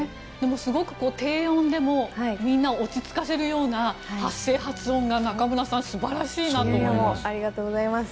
すごく低音でみんなを落ち着かせるような発声、発音が中村さん素晴らしいなと思います。